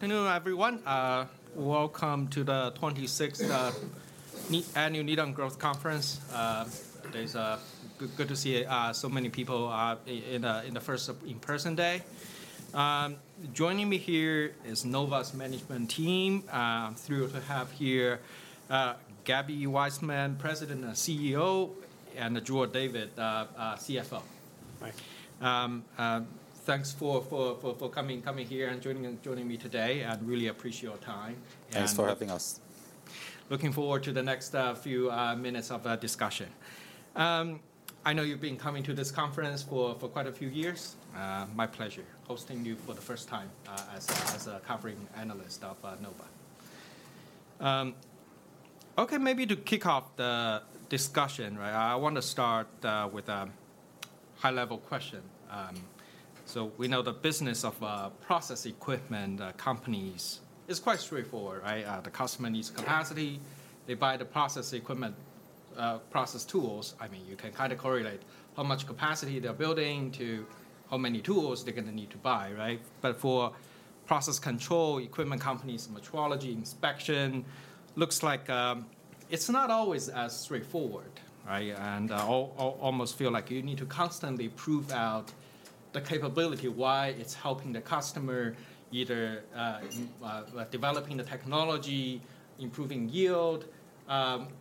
Hello, everyone. Welcome to the 26th annual Needham Growth Conference. It is good to see so many people in the first in-person day. Joining me here is Nova's management team. Thrilled to have here Gaby Waisman, President and CEO, and Dror David, CFO. Hi. Thanks for coming here and joining me today. I really appreciate your time, and- Thanks for having us. Looking forward to the next few minutes of our discussion. I know you've been coming to this conference for quite a few years. My pleasure hosting you for the first time as a covering analyst of Nova. Okay, maybe to kick off the discussion, right, I want to start with a high-level question. So we know the business of process equipment companies is quite straightforward, right? The customer needs capacity. They buy the process equipment, process tools. I mean, you can kind of correlate how much capacity they're building to how many tools they're going to need to buy, right? But for process control, equipment companies, metrology, inspection, looks like it's not always as straightforward, right? Almost feel like you need to constantly prove out the capability, why it's helping the customer, either, like developing the technology, improving yield.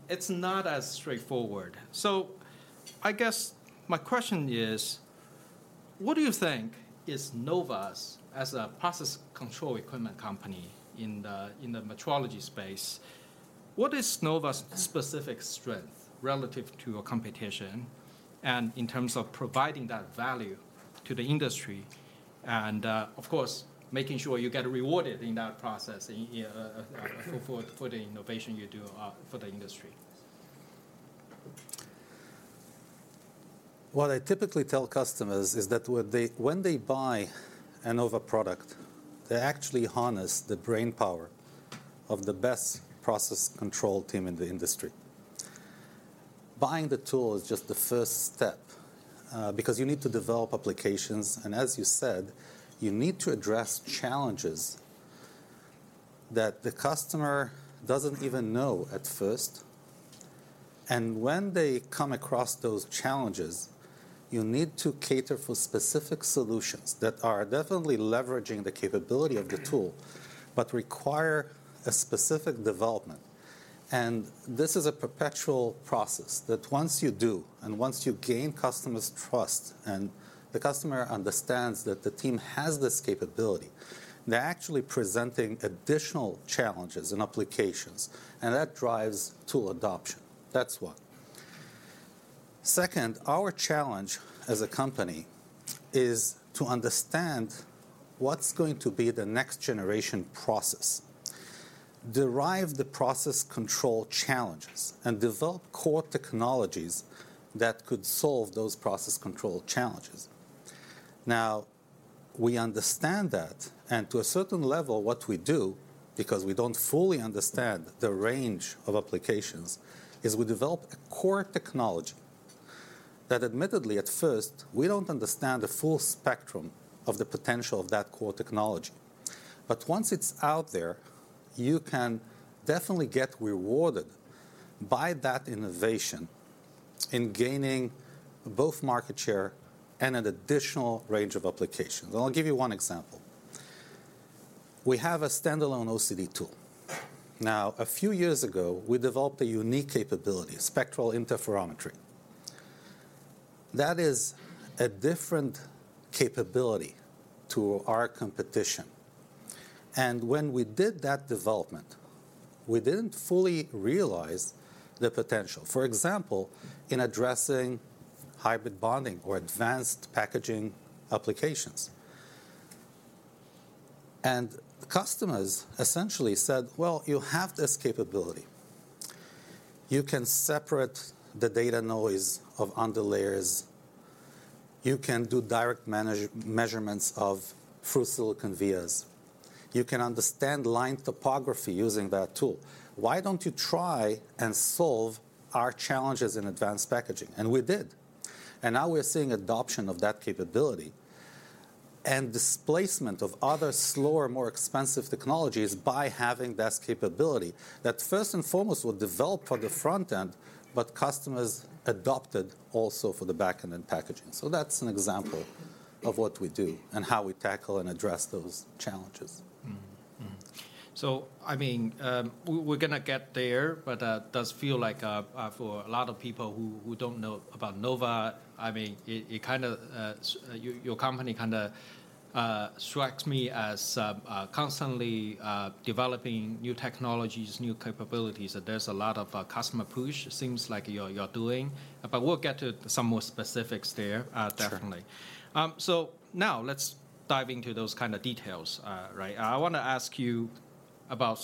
It's not as straightforward. So I guess my question is: what do you think is Nova's... As a process control equipment company in the, in the metrology space, what is Nova's specific strength relative to your competition, and in terms of providing that value to the industry, and, of course, making sure you get rewarded in that process, for the innovation you do, for the industry? What I typically tell customers is that when they buy a Nova product, they actually harness the brainpower of the best process control team in the industry. Buying the tool is just the first step, because you need to develop applications, and as you said, you need to address challenges that the customer doesn't even know at first. And when they come across those challenges, you need to cater for specific solutions that are definitely leveraging the capability of the tool but require a specific development. And this is a perpetual process, that once you do, and once you gain customers' trust, and the customer understands that the team has this capability, they're actually presenting additional challenges and applications, and that drives tool adoption. That's one. Second, our challenge as a company is to understand what's going to be the next-generation process, derive the process control challenges, and develop core technologies that could solve those process control challenges. Now, we understand that, and to a certain level, what we do, because we don't fully understand the range of applications, is we develop a core technology that admittedly, at first, we don't understand the full spectrum of the potential of that core technology. But once it's out there, you can definitely get rewarded by that innovation in gaining both market share and an additional range of applications. I'll give you one example. We have a standalone OCD tool. Now, a few years ago, we developed a unique capability, spectral interferometry. That is a different capability to our competition. When we did that development, we didn't fully realize the potential, for example, in addressing hybrid bonding or advanced packaging applications. Customers essentially said, "Well, you have this capability. You can separate the data noise of underlayers. You can do direct measurements of through-silicon vias. You can understand line topography using that tool. Why don't you try and solve our challenges in advanced packaging?" We did, and now we're seeing adoption of that capability and displacement of other slower, more expensive technologies by having this capability that first and foremost was developed for the front-end, but customers adopted also for the back-end and packaging. That's an example of what we do and how we tackle and address those challenges. Mm-hmm. Mm. So, I mean, we're going to get there, but it does feel like for a lot of people who don't know about Nova, I mean, it kind of your company kind of strikes me as constantly developing new technologies, new capabilities, that there's a lot of customer push. It seems like you're doing. But we'll get to some more specifics there. Sure... definitely. So now let's dive into those kind of details, right? I want to ask you about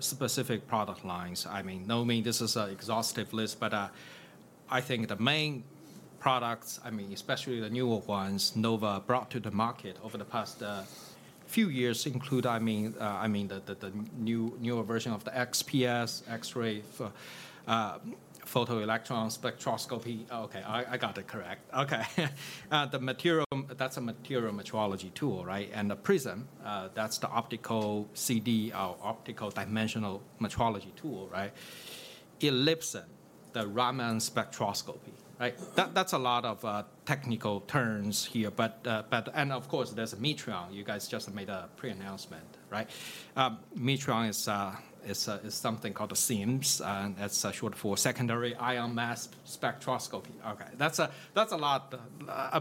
specific product lines. I mean, no, I mean this is an exhaustive list, but I think the main products, I mean, especially the newer ones, Nova brought to the market over the past few years include, I mean, the newer version of the XPS, X-ray photoelectron spectroscopy. Okay, I got it correct. Okay. The material, that's a material metrology tool, right? And the Prism, that's the optical CD or optical dimensional metrology tool, right?... Elipson, the Raman spectroscopy, right? That's a lot of technical terms here, but—and of course, there's a Metrion. You guys just made a pre-announcement, right? Metrion is something called a SIMS, and that's short for secondary ion mass spectroscopy. Okay. That's a lot,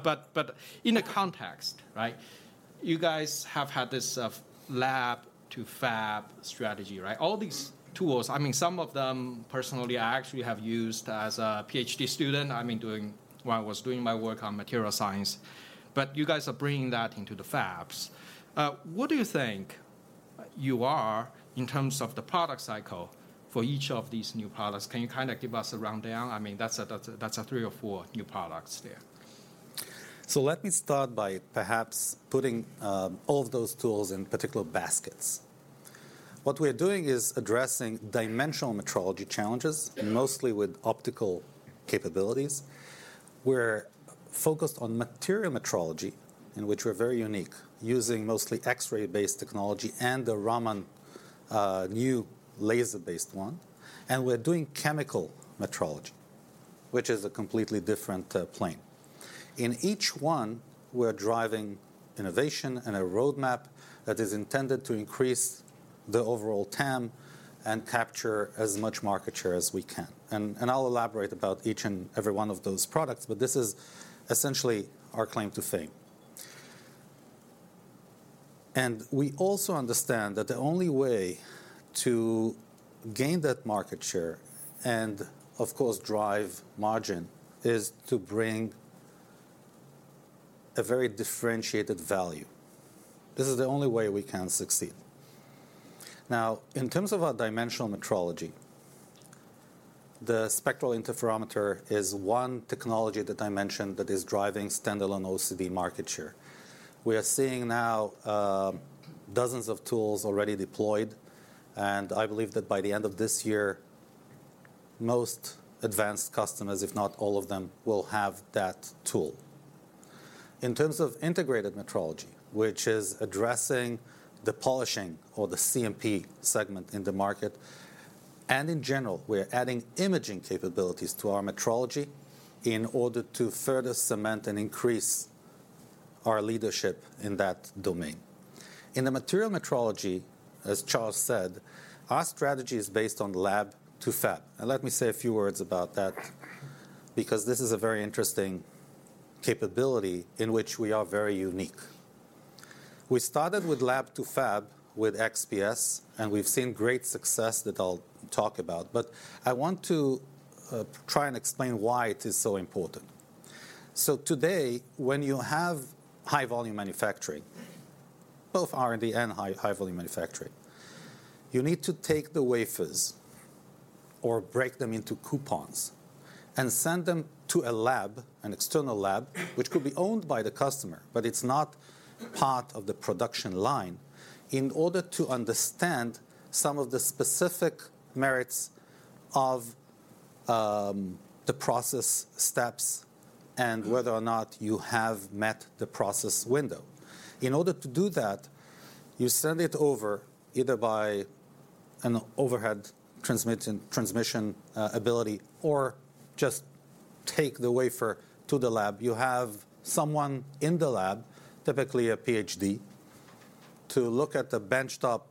but in the context, right, you guys have had this lab-to-fab strategy, right? All these tools, I mean, some of them personally, I actually have used as a PhD student. I mean, when I was doing my work on material science, but you guys are bringing that into the fabs. What do you think you are in terms of the product cycle for each of these new products? Can you kind of give us a rundown? I mean, that's three or four new products there. So let me start by perhaps putting all of those tools in particular baskets. What we are doing is addressing dimensional metrology challenges, mostly with optical capabilities. We're focused on material metrology, in which we're very unique, using mostly X-ray-based technology and the Raman, new laser-based one, and we're doing chemical metrology, which is a completely different plane. In each one, we're driving innovation and a roadmap that is intended to increase the overall TAM and capture as much market share as we can. And, and I'll elaborate about each and every one of those products, but this is essentially our claim to fame. And we also understand that the only way to gain that market share, and of course, drive margin, is to bring a very differentiated value. This is the only way we can succeed. Now, in terms of our dimensional metrology, the spectral interferometer is one technology that I mentioned that is driving standalone OCD market share. We are seeing now, dozens of tools already deployed, and I believe that by the end of this year, most advanced customers, if not all of them, will have that tool. In terms of integrated metrology, which is addressing the polishing or the CMP segment in the market, and in general, we're adding imaging capabilities to our metrology in order to further cement and increase our leadership in that domain. In the material metrology, as Charles said, our strategy is based on lab to fab, and let me say a few words about that because this is a very interesting capability in which we are very unique. We started with lab to fab with XPS, and we've seen great success that I'll talk about. But I want to try and explain why it is so important. So today, when you have high volume manufacturing, both R&D and high, high volume manufacturing, you need to take the wafers or break them into coupons and send them to a lab, an external lab, which could be owned by the customer, but it's not part of the production line, in order to understand some of the specific merits of the process steps and whether or not you have met the process window. In order to do that, you send it over, either by an overhead transmission ability, or just take the wafer to the lab. You have someone in the lab, typically a PhD, to look at the benchtop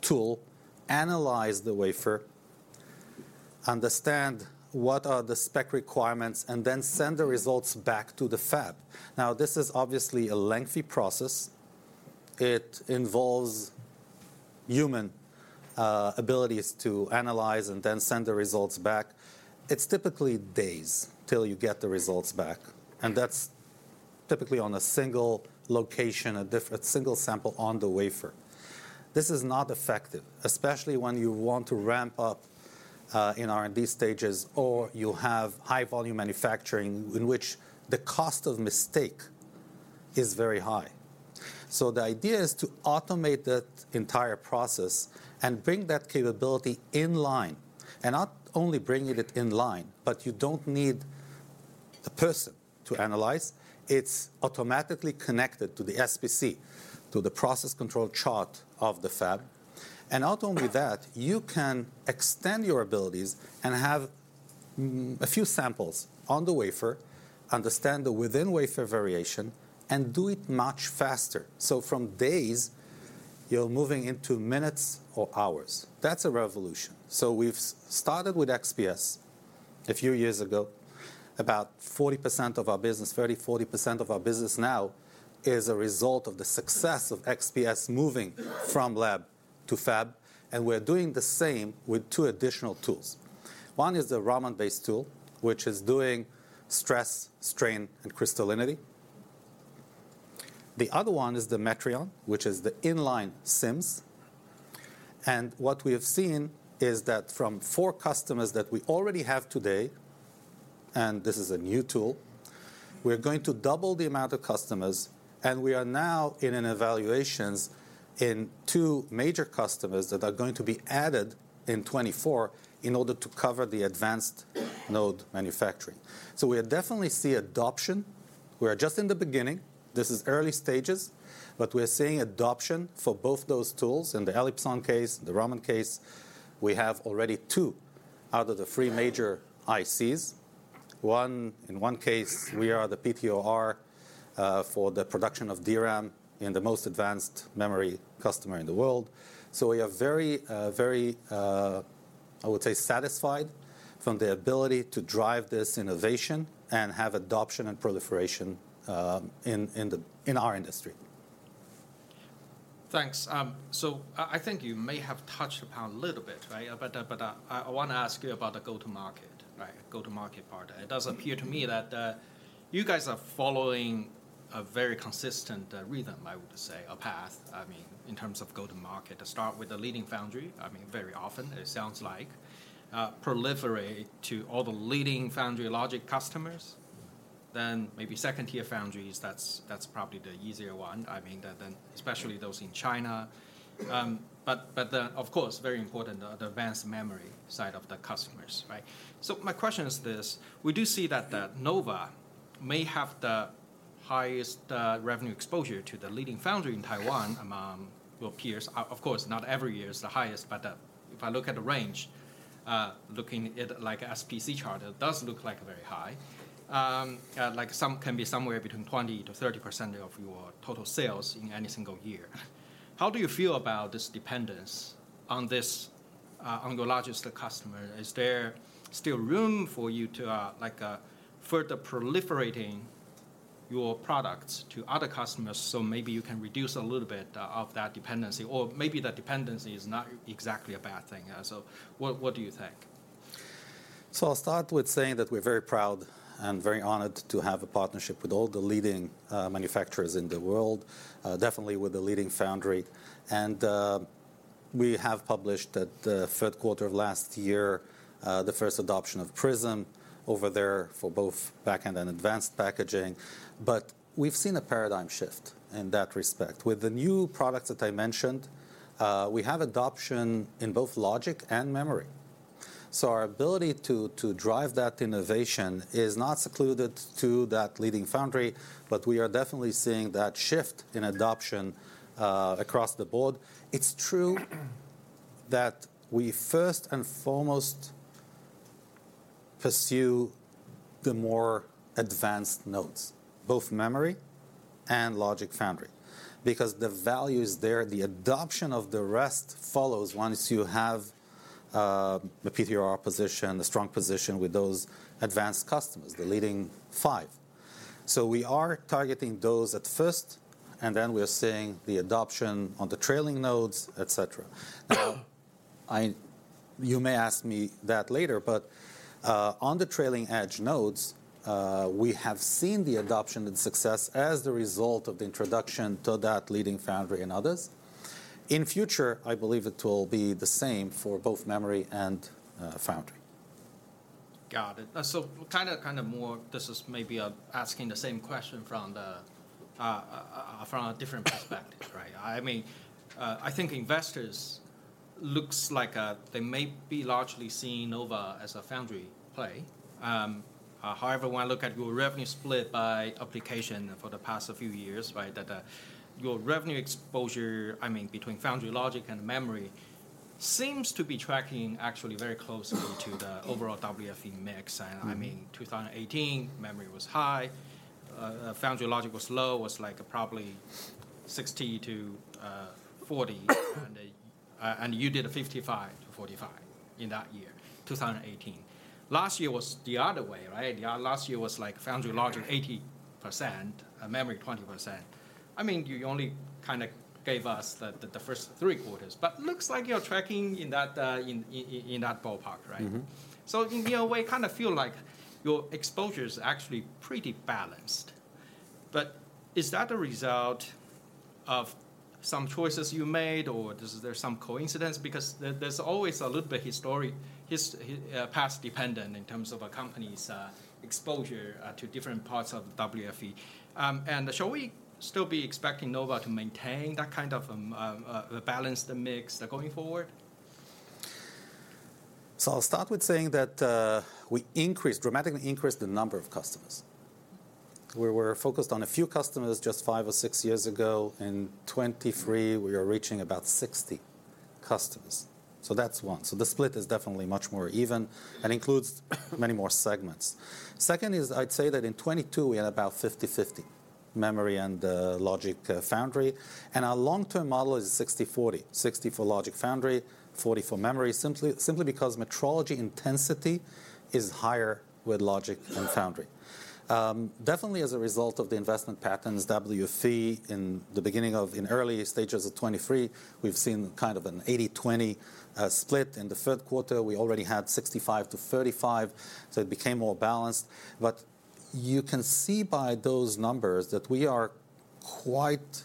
tool, analyze the wafer, understand what are the spec requirements, and then send the results back to the fab. Now, this is obviously a lengthy process. It involves human abilities to analyze and then send the results back. It's typically days till you get the results back, and that's typically on a single location, a single sample on the wafer. This is not effective, especially when you want to ramp up in R&D stages, or you have high volume manufacturing, in which the cost of mistake is very high. So the idea is to automate that entire process and bring that capability in line, and not only bringing it in line, but you don't need a person to analyze. It's automatically connected to the SPC, to the process control chart of the fab. And not only that, you can extend your abilities and have a few samples on the wafer, understand the within-wafer variation, and do it much faster. So from days, you're moving into minutes or hours. That's a revolution. So we've started with XPS a few years ago. About 40% of our business, 30%-40% of our business now is a result of the success of XPS moving from lab to fab, and we're doing the same with two additional tools. One is the Raman-based tool, which is doing stress, strain, and crystallinity. The other one is the Metrion, which is the in-line SIMS. And what we have seen is that from four customers that we already have today, and this is a new tool, we're going to double the amount of customers, and we are now in evaluations in two major customers that are going to be added in 2024 in order to cover the advanced node manufacturing. So we definitely see adoption. We are just in the beginning. This is early stages, but we are seeing adoption for both those tools. In the Elipson case, the Raman case, we have already two out of the three major ICs. One, in one case, we are the PTOR for the production of DRAM in the most advanced memory customer in the world. So we are very, very, I would say, satisfied from the ability to drive this innovation and have adoption and proliferation in our industry. Thanks. So I think you may have touched upon a little bit, right? But, but, I want to ask you about the go-to-market, right, go-to-market part. It does appear to me that, you guys are following a very consistent, rhythm, I would say, a path, I mean, in terms of go-to-market. To start with the leading foundry, I mean, very often, it sounds like, proliferate to all the leading foundry logic customers, then maybe second-tier foundries, that's, that's probably the easier one, I mean, than, than especially those in China. But then, of course, very important, the advanced memory side of the customers, right? So my question is this: we do see that, Nova may have the highest, revenue exposure to the leading foundry in Taiwan among your peers. Of course, not every year is the highest, but if I look at the range, looking at like a SPC chart, it does look like very high. Like can be somewhere between 20%-30% of your total sales in any single year. How do you feel about this dependence on this, on your largest customer? Is there still room for you to, like, further proliferating your products to other customers, so maybe you can reduce a little bit, of that dependency? Or maybe that dependency is not exactly a bad thing. So what, what do you think? I'll start with saying that we're very proud and very honored to have a partnership with all the leading manufacturers in the world, definitely with the leading foundry. We have published that the third quarter of last year, the first adoption of Prism over there for both back-end and advanced packaging. But we've seen a paradigm shift in that respect. With the new products that I mentioned, we have adoption in both logic and memory. Our ability to drive that innovation is not secluded to that leading foundry, but we are definitely seeing that shift in adoption across the board. It's true that we first and foremost pursue the more advanced nodes, both memory and logic foundry, because the value is there. The adoption of the rest follows once you have the PTOR position, the strong position with those advanced customers, the leading five. So we are targeting those at first, and then we are seeing the adoption on the trailing nodes, et cetera. Now, you may ask me that later, but on the trailing edge nodes, we have seen the adoption and success as the result of the introduction to that leading foundry and others. In future, I believe it will be the same for both memory and foundry. Got it. So kind of, kind of more, this is maybe, asking the same question from the, from a different perspective, right? I mean, I think investors looks like, they may be largely seeing Nova as a foundry play. However, when I look at your revenue split by application for the past few years, right, that, your revenue exposure, I mean, between foundry logic and memory, seems to be tracking actually very closely to the overall WFE mix. And I mean, 2018, memory was high, foundry logic was low, was like probably 60-40, and, and you did a 55-45 in that year, 2018. Last year was the other way, right? Yeah, last year was like foundry logic, 80%, memory, 20%. I mean, you only kind of gave us the first three quarters, but looks like you're tracking in that ballpark, right? Mm-hmm. So in a way, kind of feel like your exposure is actually pretty balanced. But is that a result of some choices you made, or is there some coincidence? Because there's always a little bit historical path dependent in terms of a company's exposure to different parts of WFE. And shall we still be expecting Nova to maintain that kind of balance, the mix, going forward? So I'll start with saying that, we increased, dramatically increased the number of customers. We were focused on a few customers just five or six years ago. In 2023, we are reaching about 60 customers. So that's one. So the split is definitely much more even and includes many more segments. Second is, I'd say that in 2022, we had about 50/50, memory and, logic, foundry, and our long-term model is 60/40, 60 for logic foundry, 40 for memory, simply, simply because metrology intensity is higher with logic than foundry. Definitely as a result of the investment patterns, WFE in the beginning of, in early stages of 2023, we've seen kind of an 80/20, split. In the third quarter, we already had 65-35, so it became more balanced. You can see by those numbers that we are quite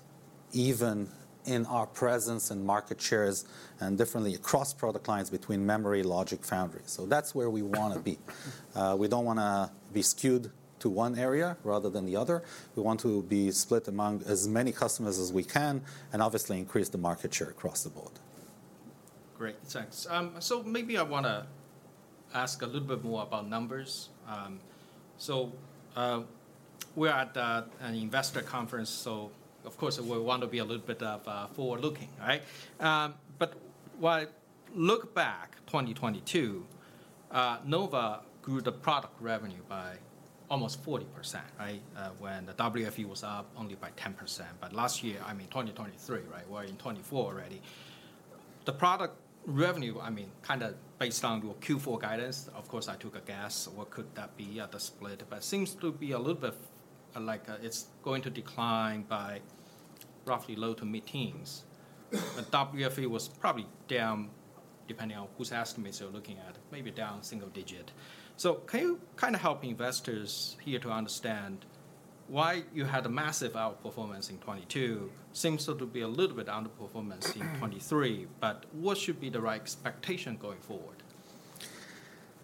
even in our presence and market shares, and definitely across product lines between memory, logic, foundry. That's where we want to be. We don't want to be skewed to one area rather than the other. We want to be split among as many customers as we can and obviously increase the market share across the board.... Great, thanks. So maybe I want to ask a little bit more about numbers. So, we're at an investor conference, so of course, we want to be a little bit forward-looking, right? But when I look back, 2022, Nova grew the product revenue by almost 40%, right? When the WFE was up only by 10%. But last year, I mean, 2023, right? We're in 2024 already. The product revenue, I mean, kind of based on your Q4 guidance, of course, I took a guess, what could that be at the split? But it seems to be a little bit like it's going to decline by roughly low- to mid-teens %. But WFE was probably down, depending on whose estimates you're looking at, maybe down single-digit %. Can you kind of help investors here to understand why you had a massive outperformance in 2022? Seems to be a little bit underperformance in 2023, but what should be the right expectation going forward?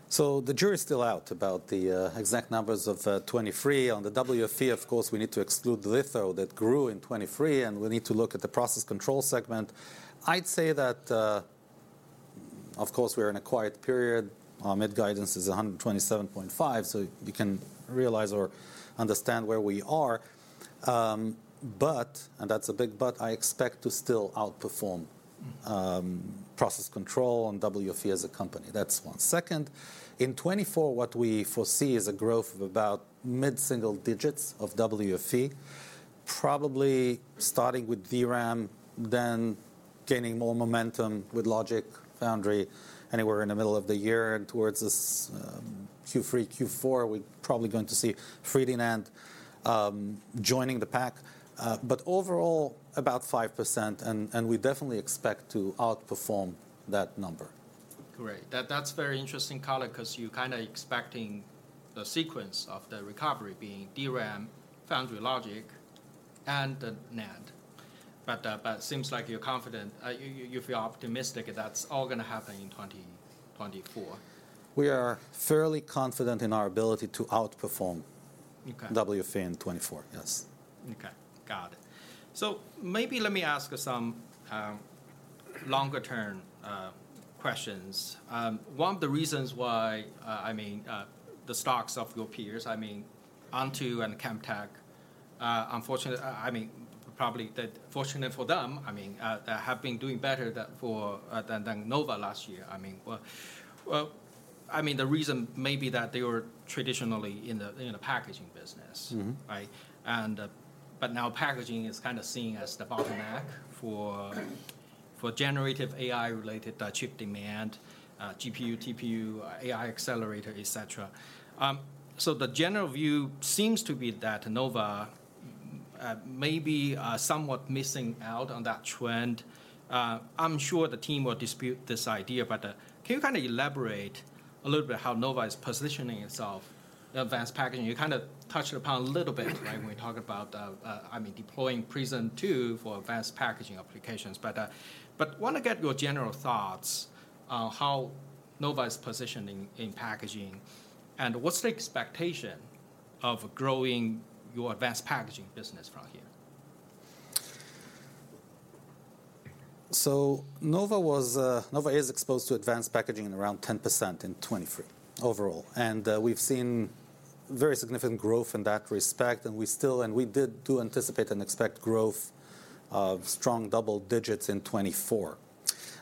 So the jury's still out about the exact numbers of 2023. On the WFE, of course, we need to exclude the litho that grew in 2023, and we need to look at the process control segment. I'd say that, of course, we're in a quiet period. Our mid-guidance is $127.5, so we can realize or understand where we are. But, and that's a big but, I expect to still outperform process control and WFE as a company. That's one. Second, in 2024, what we foresee is a growth of about mid-single digits of WFE, probably starting with DRAM, then gaining more momentum with logic, foundry, anywhere in the middle of the year and towards this Q3, Q4, we're probably going to see 3D NAND joining the pack. But overall, about 5%, and we definitely expect to outperform that number. Great. That's very interesting color, 'cause you're kind of expecting the sequence of the recovery being DRAM, foundry logic, and the NAND. But it seems like you're confident, you feel optimistic that's all gonna happen in 2024. We are fairly confident in our ability to outperform- Okay. WFE in 2024. Yes. Okay, got it. So maybe let me ask some longer-term questions. One of the reasons why, I mean, the stocks of your peers, I mean, Onto and Camtek, unfortunately, I, I mean, probably that fortunate for them, I mean, they have been doing better than for, than, than Nova last year. I mean, well, well, I mean, the reason may be that they were traditionally in the, in the packaging business. Mm-hmm. Right? And, but now packaging is kind of seen as the bottleneck for, for generative AI-related, chip demand, GPU, TPU, AI accelerator, et cetera. So the general view seems to be that Nova may be somewhat missing out on that trend. I'm sure the team will dispute this idea, but, can you kind of elaborate a little bit how Nova is positioning itself in advanced packaging? You kind of touched upon a little bit, right, when we talked about, I mean, deploying Prism for advanced packaging applications. But, but want to get your general thoughts on how Nova is positioning in packaging, and what's the expectation of growing your advanced packaging business from here? So Nova is exposed to advanced packaging in around 10% in 2023, overall, and we've seen very significant growth in that respect, and we still anticipate and expect growth of strong double digits in 2024.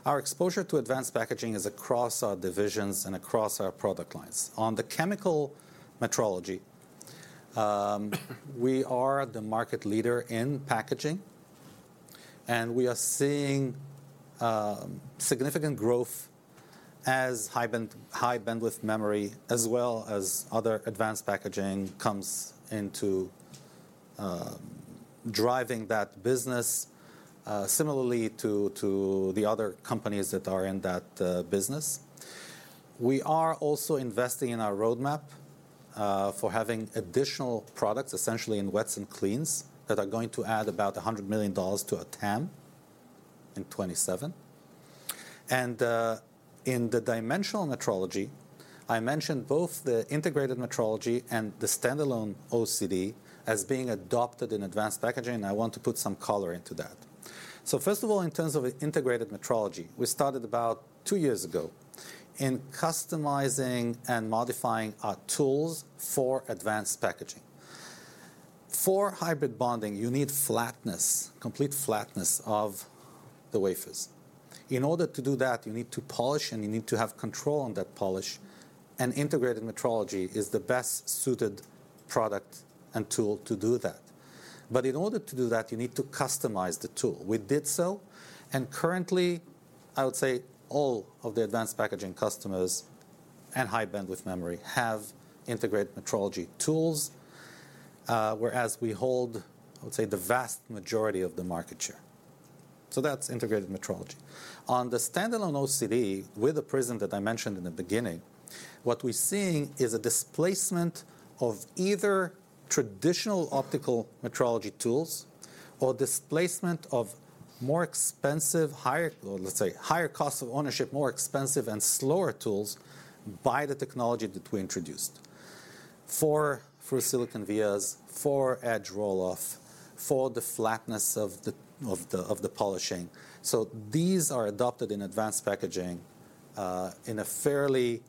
Our exposure to advanced packaging is across our divisions and across our product lines. On the chemical metrology, we are the market leader in packaging, and we are seeing significant growth as high-bandwidth memory, as well as other advanced packaging, comes into driving that business, similarly to the other companies that are in that business. We are also investing in our roadmap for having additional products, essentially in wets and cleans, that are going to add about $100 million to our TAM in 2027. In the dimensional metrology, I mentioned both the integrated metrology and the standalone OCD as being adopted in advanced packaging, and I want to put some color into that. So first of all, in terms of integrated metrology, we started about two years ago in customizing and modifying our tools for advanced packaging. For hybrid bonding, you need flatness, complete flatness of the wafers. In order to do that, you need to polish, and you need to have control on that polish, and integrated metrology is the best-suited product and tool to do that. But in order to do that, you need to customize the tool. We did so, and currently, I would say all of the advanced packaging customers and high-bandwidth memory have integrated metrology tools, whereas we hold, I would say, the vast majority of the market share. So that's integrated metrology. On the standalone OCD, with the Prism that I mentioned in the beginning, what we're seeing is a displacement of either traditional optical metrology tools or displacement of more expensive, higher, or let's say, higher cost of ownership, more expensive and slower tools by the technology that we introduced, for through-silicon vias, for edge roll-off, for the flatness of the polishing. So these are adopted in advanced packaging in a fairly,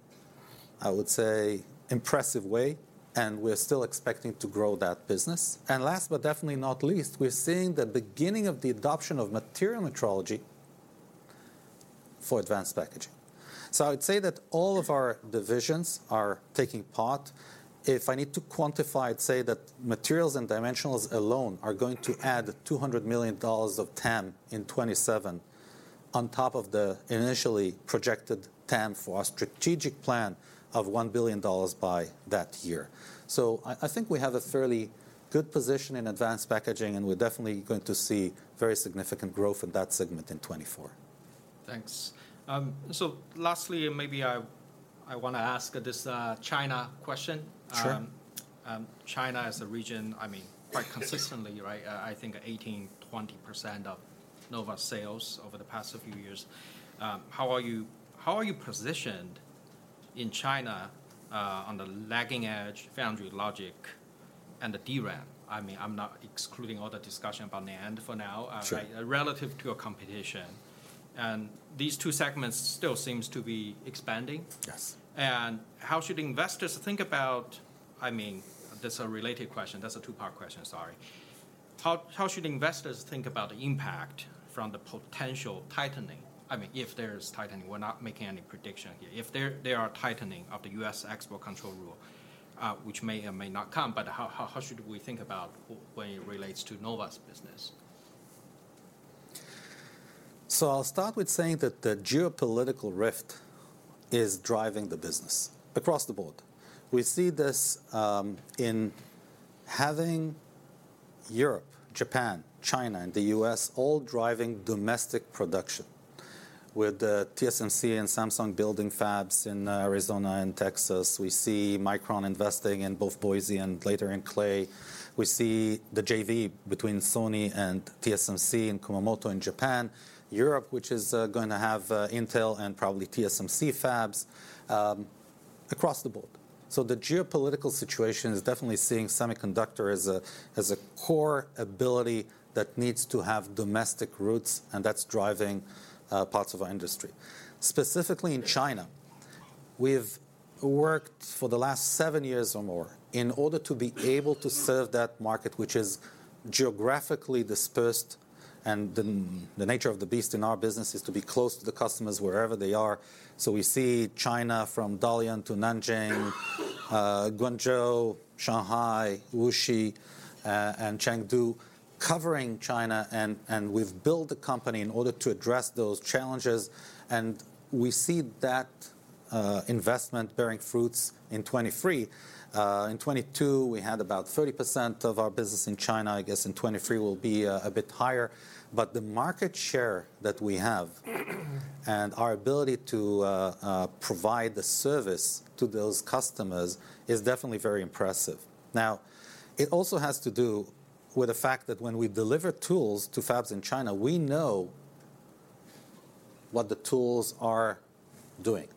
I would say, impressive way, and we're still expecting to grow that business. And last, but definitely not least, we're seeing the beginning of the adoption of material metrology for advanced packaging. So I would say that all of our divisions are taking part. If I need to quantify, I'd say that materials and dimensionals alone are going to add $200 million of TAM in 2027, on top of the initially projected TAM for our strategic plan of $1 billion by that year. So I think we have a fairly good position in advanced packaging, and we're definitely going to see very significant growth in that segment in 2024. Thanks. So lastly, maybe I wanna ask this China question. Sure. China as a region, I mean, quite consistently, right, I think 18%-20% of Nova's sales over the past few years. How are you, how are you positioned in China, on the lagging edge, foundry logic, and the DRAM? I mean, I'm not excluding all the discussion about NAND for now. Sure... relative to your competition, and these two segments still seems to be expanding. Yes. How should investors think about... I mean, that's a related question. That's a two-part question, sorry. How should investors think about the impact from the potential tightening? I mean, if there's tightening. We're not making any prediction here. If there are tightening of the U.S. export control rule, which may or may not come, but how should we think about when it relates to Nova's business? So I'll start with saying that the geopolitical rift is driving the business across the board. We see this in having Europe, Japan, China, and the U.S. all driving domestic production, with TSMC and Samsung building fabs in Arizona and Texas. We see Micron investing in both Boise and later in Clay. We see the JV between Sony and TSMC in Kumamoto, in Japan. Europe, which is going to have Intel and probably TSMC fabs across the board. So the geopolitical situation is definitely seeing semiconductor as a core ability that needs to have domestic roots, and that's driving parts of our industry. Specifically in China, we've worked for the last seven years or more in order to be able to serve that market, which is geographically dispersed, and the nature of the beast in our business is to be close to the customers wherever they are. So we see China, from Dalian to Nanjing, Guangzhou, Shanghai, Wuxi, and Chengdu, covering China, and we've built the company in order to address those challenges, and we see that investment bearing fruits in 2023. In 2022, we had about 30% of our business in China. I guess in 2023 will be a bit higher. But the market share that we have, and our ability to provide the service to those customers is definitely very impressive. Now, it also has to do with the fact that when we deliver tools to fabs in China, we know what the tools are doing.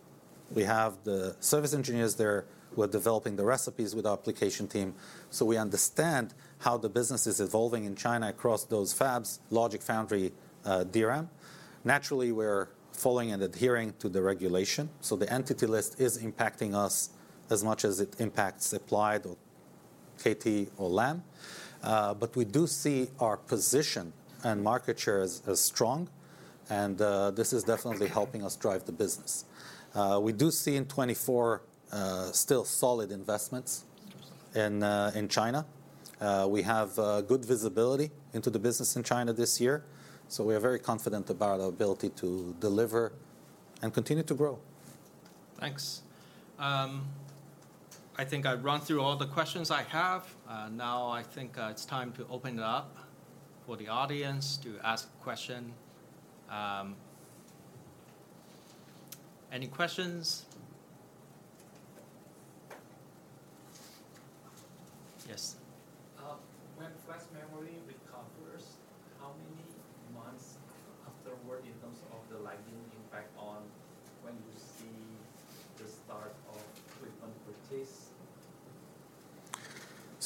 We have the service engineers there who are developing the recipes with our application team, so we understand how the business is evolving in China across those fabs, logic foundry, DRAM. Naturally, we're following and adhering to the regulation, so the entity list is impacting us as much as it impacts Applied or KLA or Lam. But we do see our position and market share as, as strong, and, this is definitely helping us drive the business. We do see in 2024, still solid investments in, in China. We have, good visibility into the business in China this year, so we are very confident about our ability to deliver and continue to grow. Thanks. I think I've run through all the questions I have. Now I think it's time to open it up for the audience to ask a question. Any questions? Yes.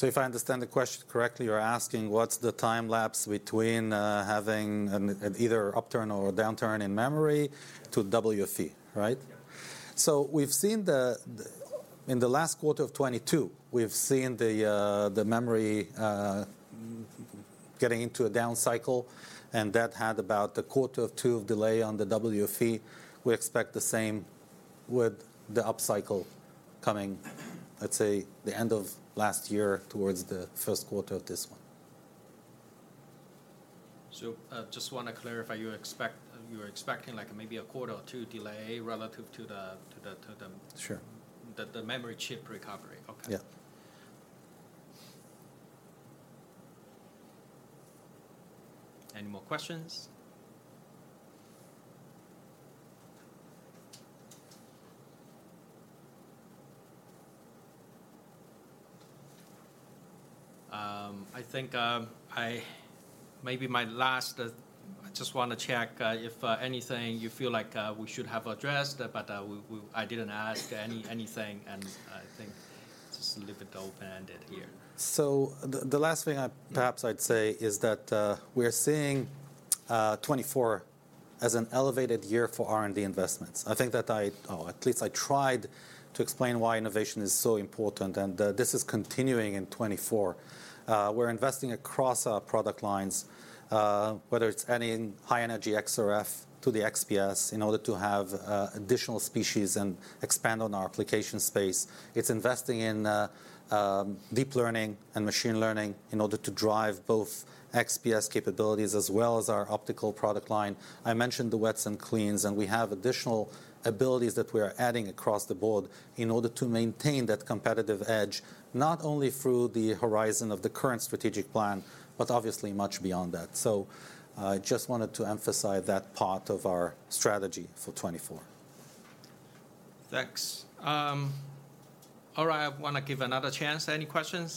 When flash memory recovers, how many months afterward in terms of the lagging impact on when you see the start of equipment purchase? So if I understand the question correctly, you're asking: What's the time lapse between having an either upturn or a downturn in memory to WFE, right? Yeah. So we've seen in the last quarter of 2022, we've seen the memory getting into a down cycle, and that had about one or two of delay on the WFE. We expect the same with the upcycle coming, let's say, the end of last year towards the first quarter of this one. I just wanna clarify, you're expecting, like, maybe a quarter or two delay relative to the- Sure... the memory chip recovery. Okay. Yeah. Any more questions? I think, maybe my last... I just wanna check, if anything you feel like we should have addressed, but we, I didn't ask anything, and I think just leave it open-ended here. So the last thing I perhaps I'd say is that we are seeing 2024 as an elevated year for R&D investments. I think that at least I tried to explain why innovation is so important, and this is continuing in 2024. We're investing across our product lines, whether it's adding high-energy XRF to the XPS in order to have additional species and expand on our application space. It's investing in deep learning and machine learning in order to drive both XPS capabilities as well as our optical product line. I mentioned the wets and cleans, and we have additional abilities that we are adding across the board in order to maintain that competitive edge, not only through the horizon of the current strategic plan, but obviously much beyond that. I just wanted to emphasize that part of our strategy for 2024. Thanks. All right, I wanna give another chance. Any questions?